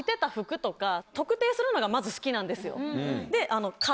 するのがまず好きなんですよ。